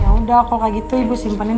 ya udah kalau kayak gitu ibu simpenin